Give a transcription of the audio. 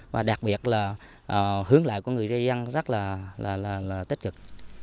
và đặc biệt là hướng lại của người ra dân rất là tích cực